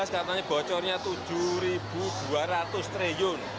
dua ribu empat belas katanya bocornya tujuh ribu dua ratus triliun